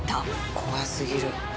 怖すぎる。